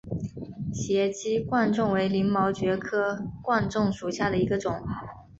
斜基贯众为鳞毛蕨科贯众属下的一个种。